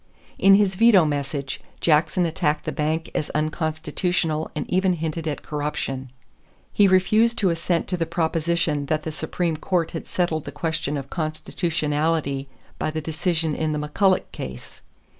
In his veto message, Jackson attacked the bank as unconstitutional and even hinted at corruption. He refused to assent to the proposition that the Supreme Court had settled the question of constitutionality by the decision in the McCulloch case.